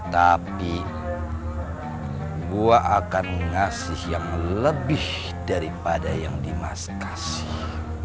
tapi gue akan ngasih yang lebih daripada yang dimas kasih